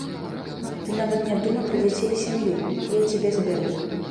Ты нават не думай пра дзяцей і сям'ю, я і цябе забяру.